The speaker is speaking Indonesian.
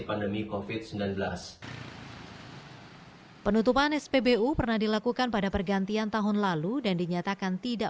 pandemi kofit sembilan belas penutupan spbu pernah dilakukan pada pergantian tahun lalu dan dinyatakan tidak